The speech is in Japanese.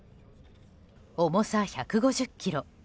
重さ１５０ｋｇ。